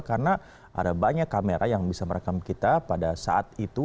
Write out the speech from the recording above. karena ada banyak kamera yang bisa merekam kita pada saat itu